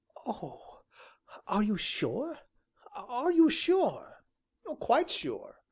"Oh! are you sure are you sure?" "Quite sure.